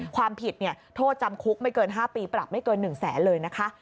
ความผิดโทษจำคุกไม่เกิน๕ปีปรับไม่เกิน๑แสนเลยนะคะ